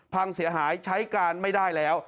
พังเสียหายใช้การไม่ได้แล้ว